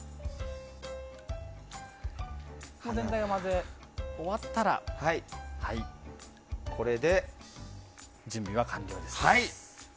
全体を混ぜ終わったらこれで準備が完了です。